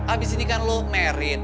abis ini kan lu married